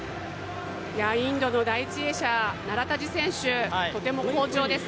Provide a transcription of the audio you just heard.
インドの第１泳者、ナラタジ選手、とても好調です。